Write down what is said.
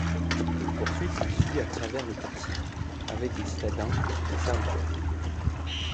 Une poursuite s'ensuit à travers le quartier, avec des citadins et des serviteurs.